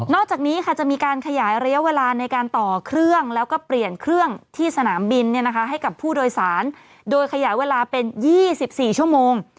อกจากนี้ค่ะจะมีการขยายระยะเวลาในการต่อเครื่องแล้วก็เปลี่ยนเครื่องที่สนามบินให้กับผู้โดยสารโดยขยายเวลาเป็น๒๔ชั่วโมง